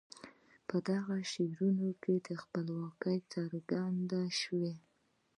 په دغو شعرونو کې خپلواکي څرګند شوي.